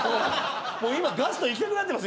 今ガスト行きたくなってます